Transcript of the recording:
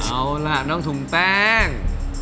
เอาล่ะน้องถุงแป้ง